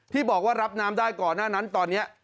ที่บอกว่ารับน้ำได้ก่อนหน้านั้นตอนนี้